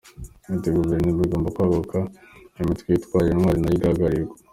Ati “Guverinoma igomba kwaguka imitwe yitwaje intwaro nayo igahararirwa.